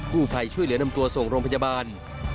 ผู้ภัยช่วยเหลือนำตัวส่งโรงพยาบาล